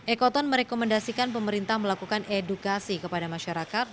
ekoton merekomendasikan pemerintah melakukan edukasi kepada masyarakat